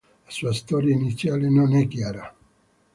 La sua storia iniziale non è chiara.